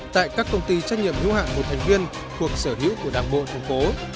tại các công ty trách nhiệm hữu hạng một thành viên thuộc sở hữu của đảng bộ thành phố